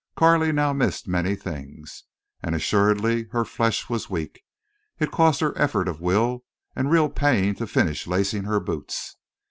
Carley now missed many things. And assuredly her flesh was weak. It cost her effort of will and real pain to finish lacing her boots.